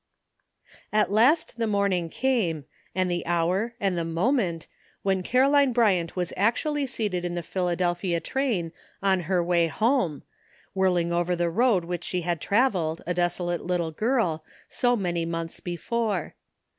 At last the morning came, and the hour and the moment, when Caroline Bryant was actually seated in the Philadelphia train on her way AT LAST. 367 home, whirling over the road which she had traveled, a desolate little girl, so many months before.